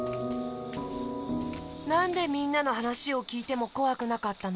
なんでみんなのはなしをきいてもこわくなかったの？